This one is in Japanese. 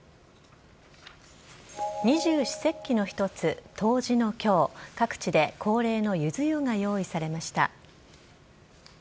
二十四節気の一つ、冬至のきょう、各地で恒例のゆず湯が用意されました。